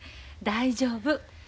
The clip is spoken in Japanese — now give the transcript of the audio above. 大丈夫。